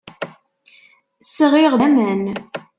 Sɣiɣ-d aman.